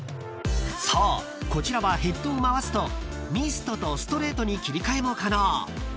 こちらはヘッドを回すとミストとストレートに切り替えも可能］